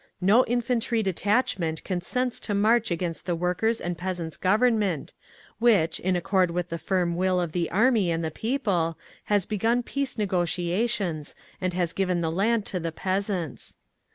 No infantry detachment consents to march against the Workers' and Peasants' Government, which, in accord with the firm will of the Army and the people, has begun peace negotiations and has given the land to the peasants….